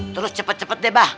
terus cepet cepet deh mbah